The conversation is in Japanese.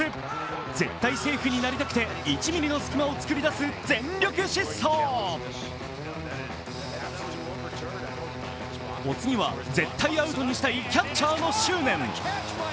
絶対セーフになりたくて、１ｍｍの隙間を作り出すお次は、絶対アウトにしたいキャッチャーの執念。